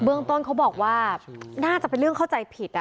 เรื่องต้นเขาบอกว่าน่าจะเป็นเรื่องเข้าใจผิด